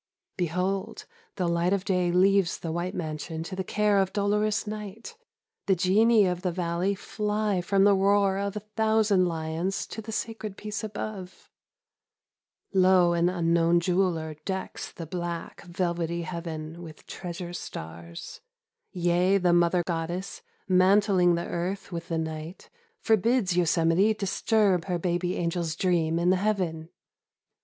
Behold, the light of day leaves the white mansion to the care of dolorous night !— The genii of the Valley fly from the roar of a thousand lions to the sacred pesLce above — Song of Night in Yo Semite Valley 25 Lo, an unknown jeweller decks the black, velvety heaven with treasure stars — Yea, the Mother Goddess, mantling the earth with the night, forbids Yosemite disturb her baby angel's dream in the heaven